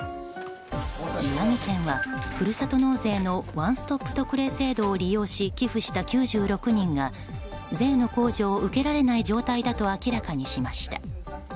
宮城県はふるさと納税のワンストップ特例制度を利用し寄付した９６人が税の控除を受けられない状態だと明らかにしました。